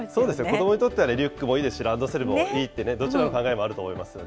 子どもにとってはリュックもいいですし、ランドセルもいいってね、どちらの考えもあると思います。